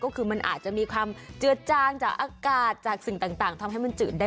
ก็คือมันอาจจะมีความเจือดจางจากอากาศจากสิ่งต่างทำให้มันจืดได้